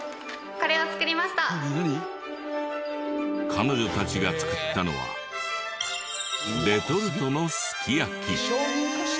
彼女たちが作ったのはレトルトのすき焼き。